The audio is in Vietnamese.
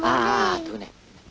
à thưa này